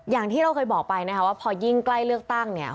อย่างที่เราเคยบอกไปนะคะว่าพอยิ่งใกล้เลือกตั้งเนี่ย